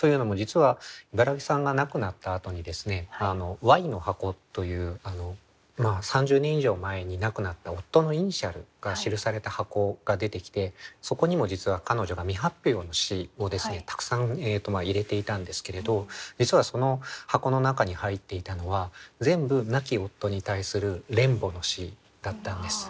というのも実は茨木さんが亡くなったあとにＹの箱という３０年以上前に亡くなった夫のイニシャルが記された箱が出てきてそこにも実は彼女が未発表の詩をたくさん入れていたんですけれど実はその箱の中に入っていたのは全部亡き夫に対する恋慕の詩だったんです。